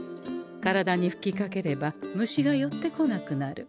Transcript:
体にふきかければ虫が寄ってこなくなる。